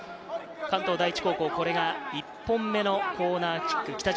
関東第一高校、これが１本目のコーナーキック。